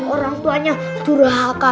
orang tuanya durhaka